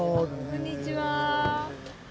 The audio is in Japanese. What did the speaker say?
こんにちは。